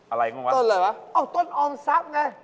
อะไรของมันต้นอะไรวะอ้าวต้นออมทรัพย์ไง